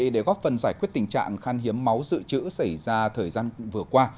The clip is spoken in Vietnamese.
để góp phần giải quyết tình trạng khan hiếm máu dự trữ xảy ra thời gian vừa qua